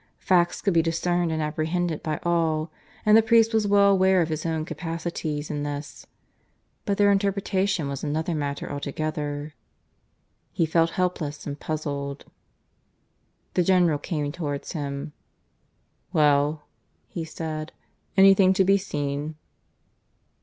Facts could be discerned and apprehended by all and the priest was well aware of his own capacities in this but their interpretation was another matter altogether. ... He felt helpless and puzzled. ... The General came towards him. "Well," he said, "anything to be seen?"